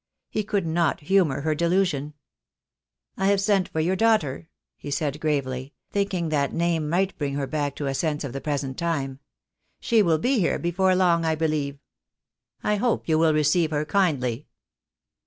He could not humour her delusion." "I have sent for your daughter," he said gravely, thinking that name might bring her back to a sense of the present time. "She will be here before long, I be lieve. I hope you will receive her kindly."